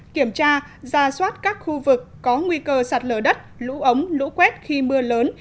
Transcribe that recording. kiểm tra ra soát các khu vực có nguy cơ sạt lở đất lũ ống lũ quét khi mưa lớn